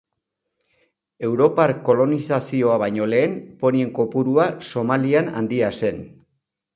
Europar kolonizazioa baino lehen ponien kopurua Somalian handia zen.